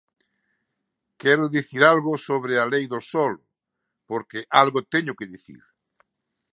Quero dicir algo sobre a Lei do solo, porque algo teño que dicir.